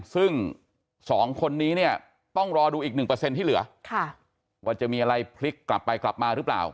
ซึ่ง๒คนนี้เนี่ยต้องรอดูอีก๑ที่เหลือว่าจะมีอะไรพลิกกลับไปกลับมาหรือเปล่า